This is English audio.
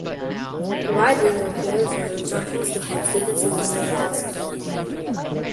Provide visual cues or examples to help students understand the task.